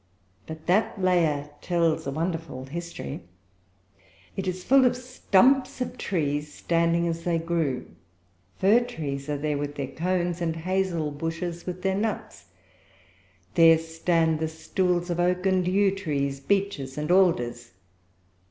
But that layer tells a wonderful history. It is full of stumps of trees standing as they grew. Fir trees are there with their cones, and hazel bushes with their nuts; there stand the stools of oak and yew trees, beeches and alders.